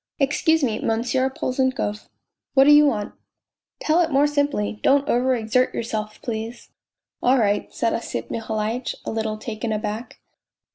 " Excuse me, Monsieur Polzunkov." " What do you want ?"" Tell it more simply; don't over exert yourself, please !"" All right," said Osip Mihalitch, a little taken aback.